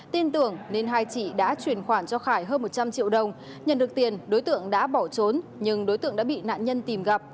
tin tưởng nên hai chị đã chuyển khoản cho khải hơn một trăm linh triệu đồng nhận được tiền đối tượng đã bỏ trốn nhưng đối tượng đã bị nạn nhân tìm gặp